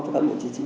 của các bộ chính sĩ